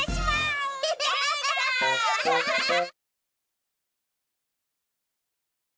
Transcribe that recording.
アハハハ！